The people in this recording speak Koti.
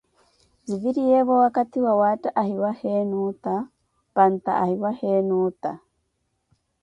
Ziviriyeeyo wakathi wawaatta ahiwaheeni otta, panta ahiwayeni ota.